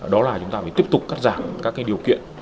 đó là chúng ta phải tiếp tục cắt giảm các điều kiện